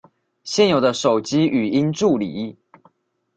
現有的手機語音助理